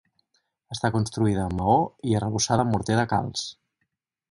Està construïda amb maó i arrebossada amb morter de calç.